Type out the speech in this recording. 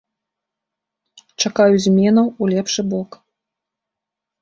Чакаю зменаў у лепшы бок.